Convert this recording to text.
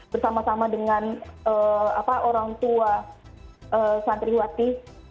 bersama sama dengan orang tua santriwati